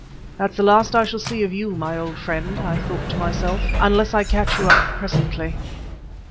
There's the last I shall see of you, my old friend, thought I to myself, unless I catch you up presently.